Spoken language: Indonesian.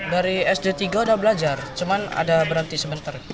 dari sd tiga sudah belajar cuma ada berhenti sebentar